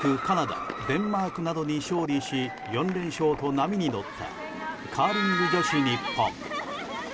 カナダ、デンマークなどに勝利し４連勝と波に乗ったカーリング女子日本。